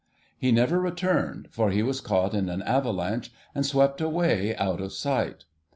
He never returned, for he was caught in an avalanche, and swept away out of sight.